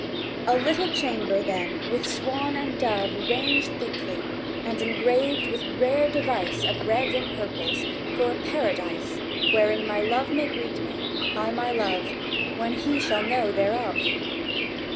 "A little chamber, then, with swan and dove Ranged thickly, and engrailed with rare device Of reds and purples, for a Paradise Wherein my Love may greet me, I my Love, When he shall know thereof?"